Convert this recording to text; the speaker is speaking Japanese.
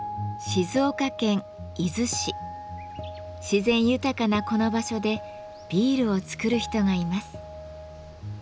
自然豊かなこの場所でビールを作る人がいます。